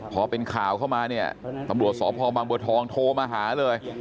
พอเป็นข่าวเข้ามาเนี่ยตำรวจสพบางบัวทองโทรมาหาเลย